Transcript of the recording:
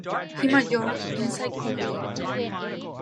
He majored in psychology.